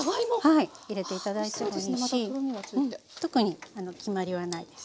特に決まりはないです。